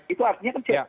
itu artinya kecepatan